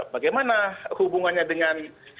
bagaimana hubungannya dengan